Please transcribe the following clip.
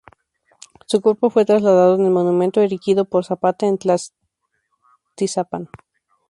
Su cuerpo fue trasladado en el monumento erigido por Zapata en Tlaltizapán.